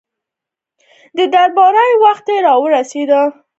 د دربار وخت را ورسېدی.